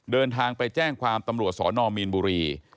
เดินทางไปแจ้งความตำรวจสนมีนบุรี